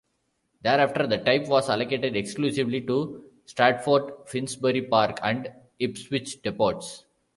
Thereafter, the type was allocated exclusively to Stratford, Finsbury Park and Ipswich depots.